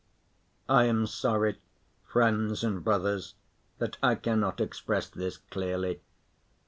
I am sorry, friends and brothers, that I cannot express this clearly.